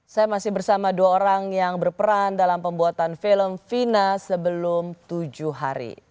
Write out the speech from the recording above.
saya masih bersama dua orang yang berperan dalam pembuatan film fina sebelum tujuh hari